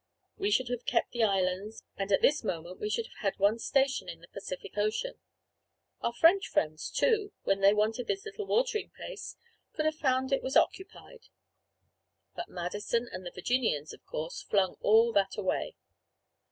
We should have kept the islands, and at this moment we should have one station in the Pacific Ocean. Our French friends, too, when they wanted this little watering place, would have found it was preoccupied. But Madison and the Virginians, of course, flung all that away.